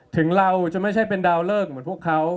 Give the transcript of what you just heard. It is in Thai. ถึงเราจะไม่ใช่เป็นดาวเลิกเหมือนพวกเขา